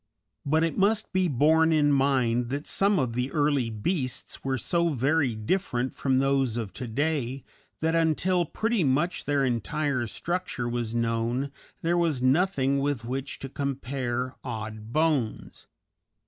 But it must be borne in mind that some of the early beasts were so very different from those of to day that until pretty much their entire structure was known there was nothing with which to compare odd bones.